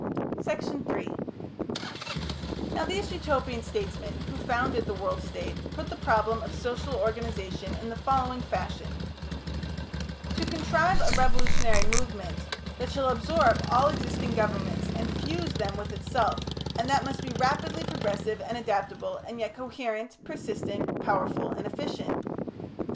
Section 3 Now these Utopian statesmen who founded the World State put the problem of social organisation in the following fashion: To contrive a revolutionary movement that shall absorb all existing governments and fuse them with itself, and that must be rapidly progressive and adaptable, and yet coherent, persistent, powerful, and efficient.